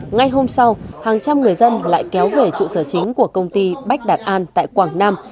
ngay hôm sau hàng trăm người dân lại kéo về trụ sở chính của công ty bách đạt an tại quảng nam